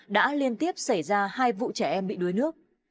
đã liên tiếp xảy ra hai vụ trẻ em bị đuối nước